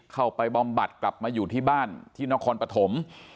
เข้าไปบอมบัตรกลับมาอยู่ที่บ้านที่นครปฐม